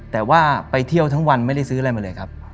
แต่ว่าไปเที่ยวทั้งวันไม่ได้ซื้ออะไรมาเลยครับ